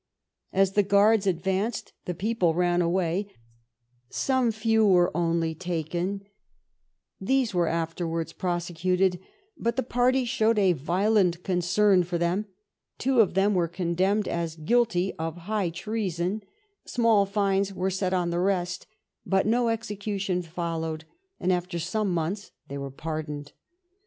As the Guards advanced the people ran away, some few were only taken; these were afterwards prosecuted, but the party showed a violent concern for them; two of them were condemned as guilty of High Treason, small fines were set on the rest, but no execution fol lowed; and after some months, they were pardoned."